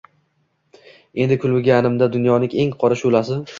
Endi kulganimda dunyoning eng qora shu’lasi